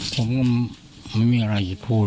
ผมก็ไม่มีอะไรจะพูด